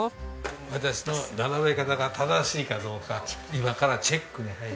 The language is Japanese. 私の並べ方が正しいかどうか今からチェックに入ります。